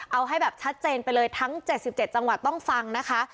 เอาให้แบบชัดเจนไปเลยทั้ง๗๗จังหวัดต้องฟังนะคะ